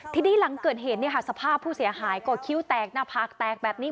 ทีนี้หลังเกิดเหตุสภาพผู้เสียหายก็คิ้วแตกหน้าผากแตกแบบนี้